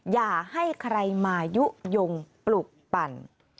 อย่าให้ใครมายุโยงปลุกปั่น